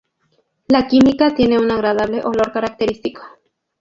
La química tiene un agradable olor característico.